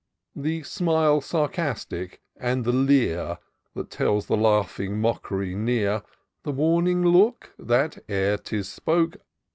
The smile sarcastic, and the leer That tells the laughing mock'ry near ; The warning look, that, ere 'tis spoke.